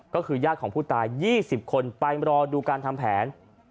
ก็คือญาติของผู้ตาย๒๐คนไปรอดูการทำแผน